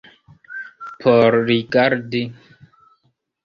Por rigardi.